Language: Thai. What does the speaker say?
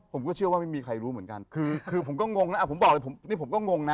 ผมก็เชื่อว่าไม่มีใครรู้เหมือนกันคือคือผมก็งงนะผมบอกเลยผมนี่ผมก็งงนะ